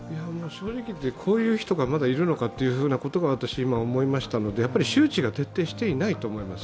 正直言って、こういう人がまだいるのかと思いましたのでやはり周知が徹底していないと思います。